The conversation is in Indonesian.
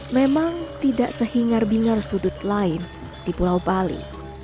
memang tidak sehingar bingar sudut lain di pulau bali